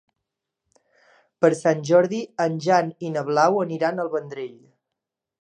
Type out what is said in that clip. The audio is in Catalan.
Per Sant Jordi en Jan i na Blau aniran al Vendrell.